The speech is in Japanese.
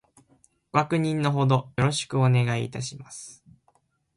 ご確認の程よろしくお願いいたします